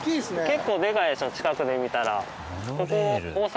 結構でかいでしょ近くで見たら。